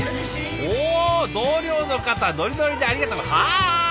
お同僚の方ノリノリでありがとうハーイ！